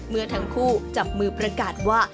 เมื่อทั้งคู่จับมือประกาศว่า